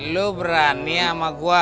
lo berani sama gue